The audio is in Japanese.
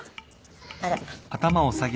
あら。